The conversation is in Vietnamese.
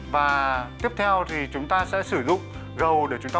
và tiếp theo thì chúng ta sẽ sử dụng gầu để chúng ta múc nước rội lên thành giếng